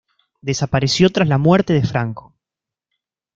Desapareció tras la muerte de Franco.